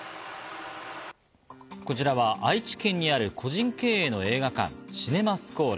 こちらは愛知県にある個人経営の映画館、シネマスコーレ。